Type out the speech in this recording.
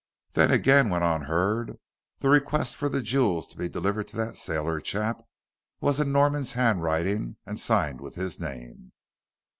"Then again," went on Hurd, "the request for the jewels to be delivered to that sailor chap was in Norman's handwriting and signed with his name."